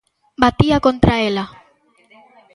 Batía contra ela.